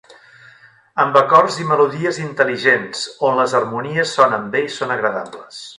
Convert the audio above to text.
Amb acords i melodies intel·ligents, on les harmonies sonen bé i són agradables.